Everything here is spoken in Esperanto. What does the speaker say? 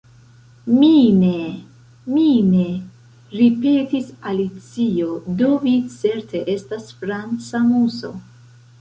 "Mine', mine'," ripetis Alicio "do vi certe estas franca Muso.